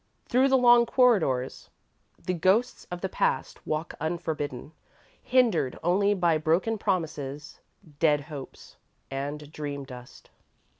Through the long corridors the ghosts of the past walk unforbidden, hindered only by broken promises, dead hopes, and dream dust.